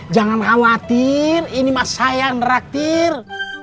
jangan khawatir ini mah saya yang raktir